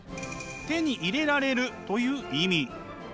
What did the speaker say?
手に入れられるという意味。